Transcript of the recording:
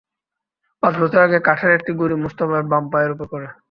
পাঁচ বছর আগে কাঠের একটি গুঁড়ি মোস্তফার বাম পায়ের ওপর পড়ে।